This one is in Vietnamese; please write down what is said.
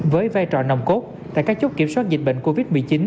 với vai trò nồng cốt tại các chốt kiểm soát dịch bệnh covid một mươi chín